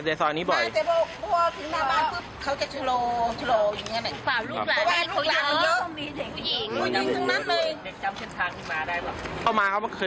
มาในซอยนี้บ่อยค่ะแต่แหลกถึงมาบ้านเพราะเค้าจะทะโรอย่างงี้หน่อย